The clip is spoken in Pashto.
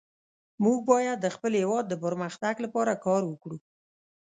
موږ باید د خپل هیواد د پرمختګ لپاره کار وکړو